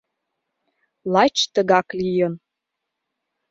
Лач тыгак лийын.